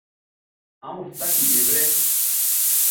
Amun su saci e blɛ.